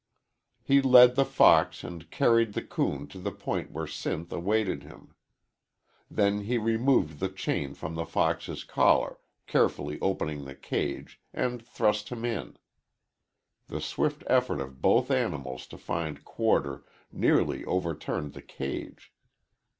He led the fox and carried the coon to the point where Sinth awaited him. Then he removed the chain from the fox's collar, carefully opened the cage, and thrust him in. The swift effort of both animals to find quarter nearly overturned the cage.